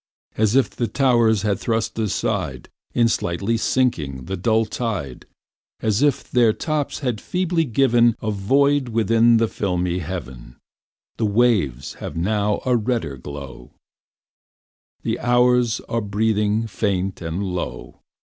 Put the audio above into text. As if the towers cast aside In slightly sinking, the dull tide; As if their tops had feebly given A void within the filmy heaven. The waves have now a redder glow; The hours are breathing faint and low.